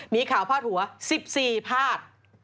มีข่าวพาดหัว๑๔พาด